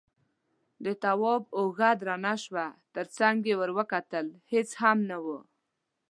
د تواب اوږه درنه شوه، تر څنګ يې ور وکتل، هېڅ هم نه و.